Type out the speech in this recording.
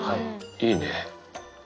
いいね。